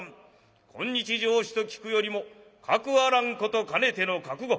今日上使と聞くよりもかくあらんことかねての覚悟。